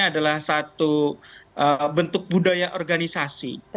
adalah satu bentuk budaya organisasi